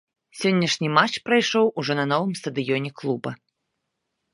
Сённяшні матч прайшоў ужо на новым стадыёне клуба.